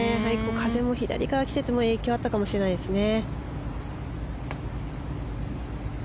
風も左から来ていて影響があったかもしれないですね。